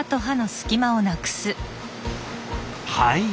はい。